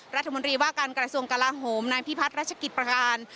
รัฐมนตรีว่าการกระทรวงกลาโหมนายพิพัฒน์รัชกิจประการ